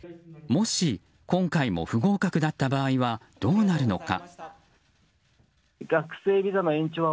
もし今回も不合格だった場合はどうなるのか。